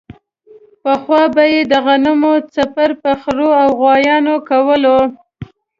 پخوا به یې د غنمو څپر په خرو او غوایانو کولو.